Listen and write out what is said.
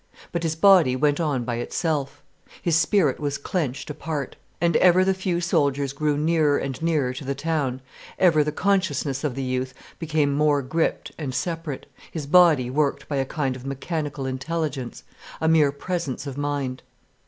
But his body went on by itself. His spirit was clenched apart. And ever the few soldiers drew nearer and nearer to the town, ever the consciousness of the youth became more gripped and separate, his body worked by a kind of mechanical intelligence, a mere presence of mind.